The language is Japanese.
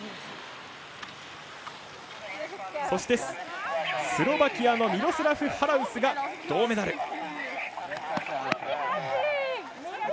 そして、スロバキアのミロスラフ・ハラウスが銅メダル。